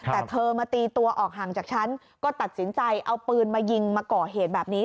แต่เธอมาตีตัวออกห่างจากฉันก็ตัดสินใจเอาปืนมายิงมาก่อเหตุแบบนี้